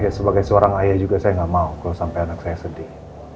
ya sebagai seorang ayah juga saya nggak mau kalau sampai anak saya sedih